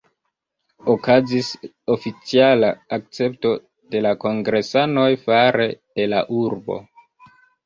Okazis oficiala akcepto de la kongresanoj fare de la urbo.